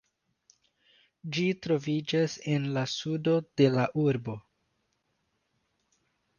Ĝi troviĝas en la sudo de la urbo.